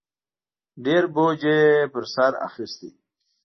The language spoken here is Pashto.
ډېر بوج یې په سر اخیستی